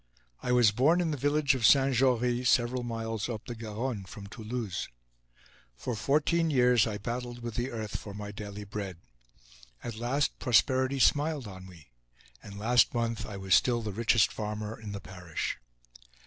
I was born in the village of Saint Jory, several miles up the Garonne from Toulouse. For fourteen years I battled with the earth for my daily bread. At last, prosperity smiled on we, and last month I was still the richest farmer in the parish.